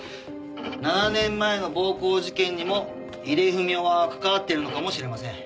７年前の暴行事件にも井出文雄は関わっているのかもしれません。